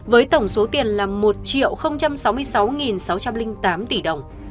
với tổng số tiền là một sáu mươi sáu sáu trăm linh tám tỷ đồng